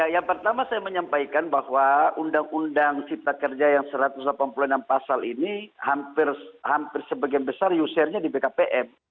yang pertama saya menyampaikan bahwa undang undang cipta kerja yang satu ratus delapan puluh enam pasal ini hampir sebagian besar usernya di bkpm